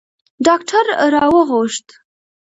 ډاکتر را وغوښت.